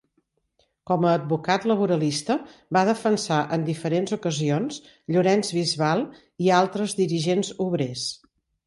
Com a advocat laboralista va defensar en diferents ocasions Llorenç Bisbal i altres dirigents obrers.